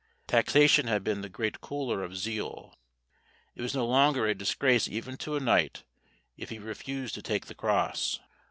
Taxation had been the great cooler of zeal. It was no longer a disgrace even to a knight if he refused to take the cross.